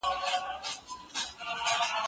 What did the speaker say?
ټولنپوهنه به له موږ سره مرسته وکړي.